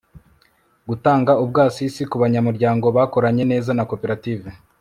gutanga ubwasisi ku banyamuryango bakoranye neza na koperative